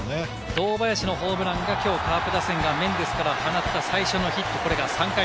堂林のホームランが、カープがメンデスから放った最初のヒット。